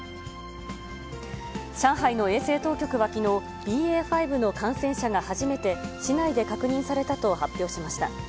上海の衛生当局はきのう、ＢＡ．５の感染者が初めて市内で確認されたと発表しました。